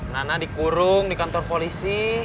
nana dikurung di kantor polisi